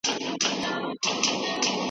دروازه د انا له خوا په کلکه وتړل شوه.